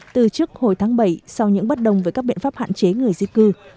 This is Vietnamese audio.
từ trước hồi tháng bảy sau những bất đồng với các biện pháp hạn chế người di cư